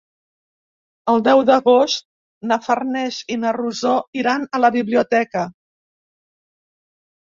El deu d'agost na Farners i na Rosó iran a la biblioteca.